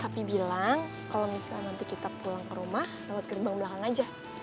tapi bilang kalau misalnya nanti kita pulang ke rumah lewat gerbang belakang aja